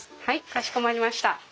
はいかしこまりました。